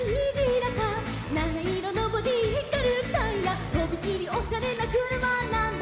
「なないろのボディひかるタイヤ」「とびきりオシャレなくるまなんだ」